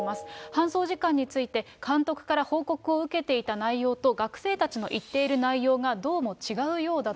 搬送時間について、監督から報告を受けていた内容と学生たちの言っている内容がどうも違うようだ